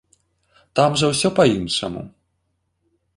Там жа ўсё па-іншаму.